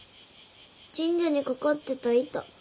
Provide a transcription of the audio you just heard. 神社に掛かってた板。